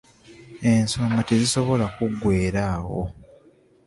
Ensonga tezisobola kuggweera awo.